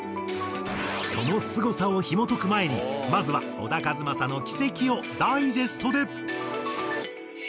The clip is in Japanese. そのすごさをひもとく前にまずは小田和正の軌跡をダイジェストで。